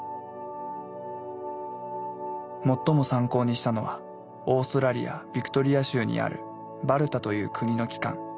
最も参考にしたのはオーストラリア・ビクトリア州にあるバルタという国の機関。